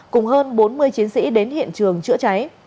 cùng hơn bốn mươi chiến sĩ đến hiện trường chữa cháy